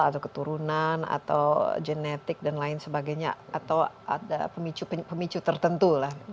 atau keturunan atau genetik dan lain sebagainya atau ada pemicu pemicu tertentu lah